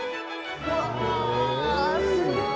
うわすごい。